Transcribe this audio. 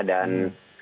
terima kasih pak arief